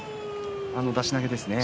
出し投げですね。